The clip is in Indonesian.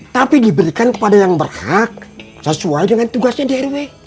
tapi diberikan kepada yang berhak sesuai dengan tugasnya di rw